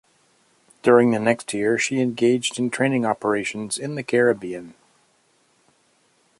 During the next year she engaged in training operations in the Caribbean.